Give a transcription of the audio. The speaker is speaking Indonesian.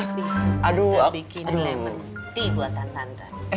tante bikin lemon tea buat tante